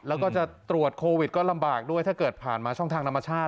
แล้วก็จะตรวจโควิดก็ลำบากด้วยถ้าเกิดผ่านมาช่องทางธรรมชาติ